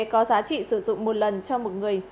có giá trị sử dụng một lần cho một người